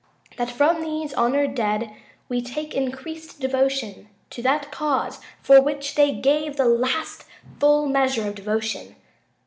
. .that from these honored dead we take increased devotion to that cause for which they gave the last full measure of devotion.